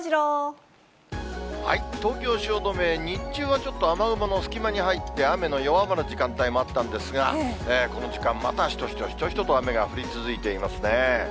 東京・汐留、日中はちょっと雨雲の隙間に入って、雨の弱まる時間帯もあったんですが、この時間、またしとしとしとしとと雨が降り続いていますね。